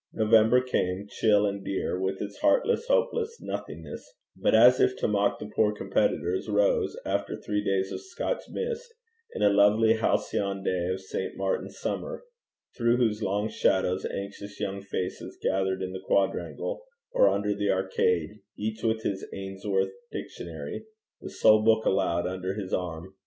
November came, 'chill and drear,' with its heartless, hopeless nothingness; but as if to mock the poor competitors, rose, after three days of Scotch mist, in a lovely 'halcyon day' of 'St. Martin's summer,' through whose long shadows anxious young faces gathered in the quadrangle, or under the arcade, each with his Ainsworth's Dictionary, the sole book allowed, under his arm.